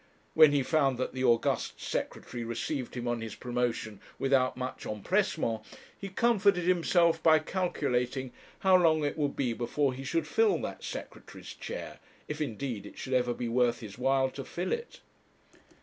When he found that the august Secretary received him on his promotion without much empressement, he comforted himself by calculating how long it would be before he should fill that Secretary's chair if indeed it should ever be worth his while to fill it.